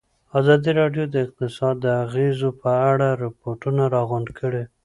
ازادي راډیو د اقتصاد د اغېزو په اړه ریپوټونه راغونډ کړي.